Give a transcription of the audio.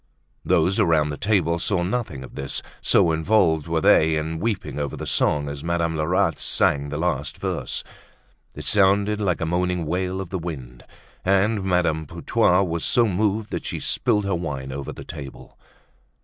Those around the table saw nothing of this, so involved were they in weeping over the song as Madame Lerat sang the last verse. It sounded like a moaning wail of the wind and Madame Putois was so moved that she spilled her wine over the table.